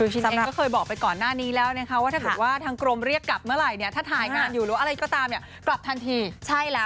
ชินเองก็เคยบอกไปก่อนหน้านี้แล้วนะคะว่าถ้าเกิดว่าทางกรมเรียกกลับเมื่อไหร่เนี่ยถ้าถ่ายงานอยู่หรืออะไรก็ตามเนี่ยกลับทันทีใช่แล้ว